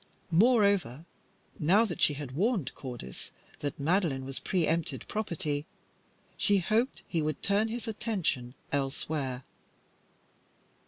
Moreover, now that she had warned Cordis that Madeline was pre empted property, she hoped he would turn his attention elsewhere.